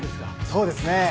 そうですねぇ。